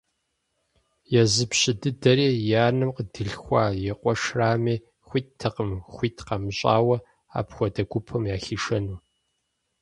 Езы пщы дыдэри, и анэм къыдилъхуа и къуэшрами, хуиттэкъым хуит къамыщӏауэ апхуэдэ гупым яхишэну.